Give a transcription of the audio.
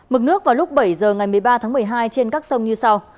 mực nước vào lúc bảy giờ ngày một mươi ba tháng một mươi hai trên các sông như sau